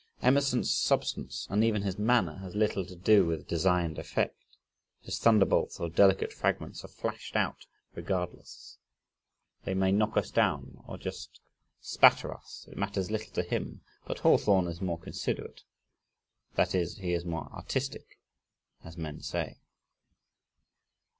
Emerson's substance and even his manner has little to do with a designed effect his thunderbolts or delicate fragments are flashed out regardless they may knock us down or just spatter us it matters little to him but Hawthorne is more considerate; that is, he is more artistic, as men say.